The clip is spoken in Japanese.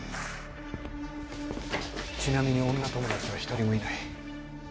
ちなみに女友達は一人もいない。